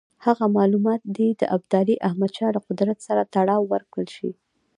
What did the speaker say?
هغه معلومات دې د ابدالي احمدشاه له قدرت سره تړاو ورکړل شي.